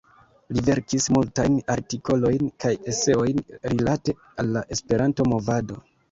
Li verkis multajn artikolojn kaj eseojn rilate al la Esperanto-movado.